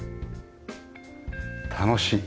楽しい。